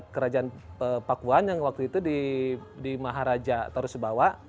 kerajaan pakuan yang waktu itu di maharaja tarusubawa